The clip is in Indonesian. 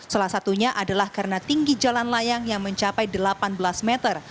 salah satunya adalah karena tinggi jalan layang yang mencapai delapan belas meter